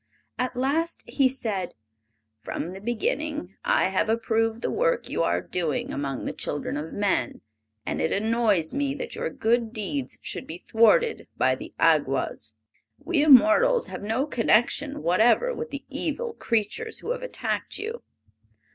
At last he said: "From the beginning I have approved the work you are doing among the children of men, and it annoys me that your good deeds should be thwarted by the Awgwas. We immortals have no connection whatever with the evil creatures who have attacked you.